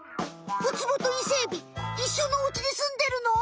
ウツボとイセエビいっしょのおうちですんでるの？